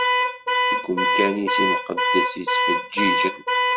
Deg umkan-is imqeddes yettfeǧǧiǧǧen.